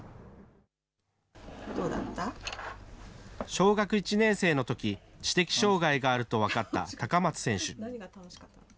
小学１年生のとき、知的障害があると分かった高松選手。